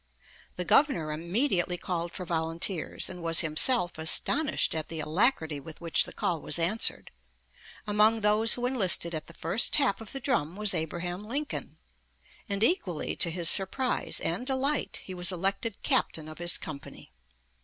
The Governor immediately called for volunteers, and was himself astonished at the alacrity with which the call was answered. Among those who enlisted at the first tap of the drum was Abraham Lincoln, and equally to his surprise and delight he was elected captain of his company.